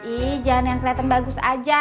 iya jangan yang kelihatan bagus aja